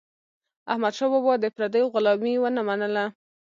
احمدشاه بابا د پردیو غلامي ونه منله.